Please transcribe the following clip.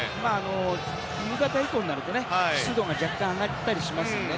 夕方以降になると湿度が若干上がったりするので。